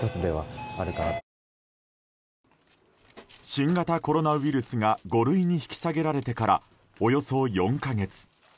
新型コロナウイルスが５類に引き下げられてからおよそ４か月。